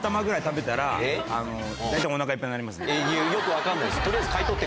いやよく分かんないです。